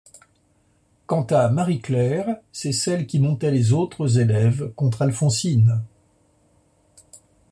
Quant à Marie Claire, c'est celle qui montait les autres élèves contre Alphonsine.